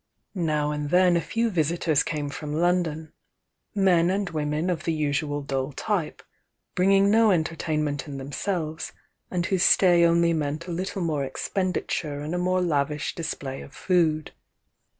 Now and then a few visitors came from London, — men and women of the usual dull type, bringing no entertainment in themselves, and whose stay only meant a little more expenditure and a more lavish display of food.